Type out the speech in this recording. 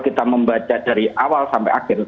kita membaca dari awal sampai akhir